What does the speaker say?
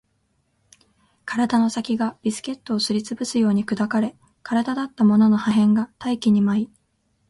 体の先がビスケットをすり潰すように砕かれ、体だったものの破片が大気に舞い